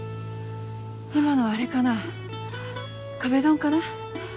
今のあれかな壁ドンかな？